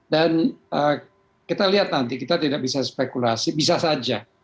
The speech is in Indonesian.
dan kita lihat nanti kita tidak bisa spekulasi bisa saja